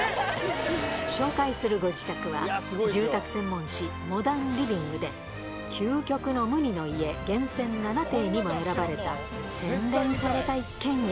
紹介するご自宅は、住宅専門誌、モダンリビングで、究極の無二の家厳選７邸にも選ばれた洗練された一軒家。